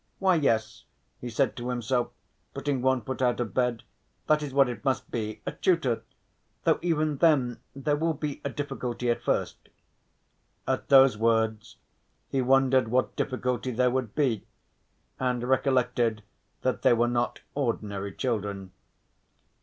"Why, yes," he said to himself, putting one foot out of bed, "that is what it must be, a tutor, though even then there will be a difficulty at first." At those words he wondered what difficulty there would be and recollected that they were not ordinary children.